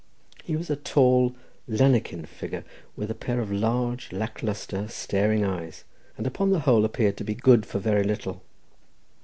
He was a tall, lanikin figure, with a pair of large, lack lustre staring eyes, and upon the whole appeared to be good for very little.